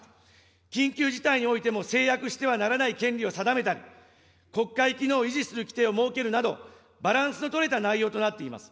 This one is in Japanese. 緊急事態においても制約してはならない権利を定めたり、国会機能を維持する規定を設けるなど、バランスの取れた内容となっています。